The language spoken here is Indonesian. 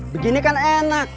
begini kan enak